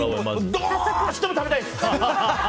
どうしても食べたいです！